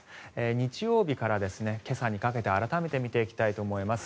日曜日から今朝にかけて改めて見ていきたいと思います。